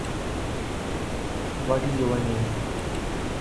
Funerals are libations are poured.